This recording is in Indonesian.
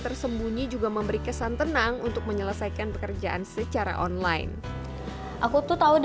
tersembunyi juga memberi kesan tenang untuk menyelesaikan pekerjaan secara online aku tuh tahu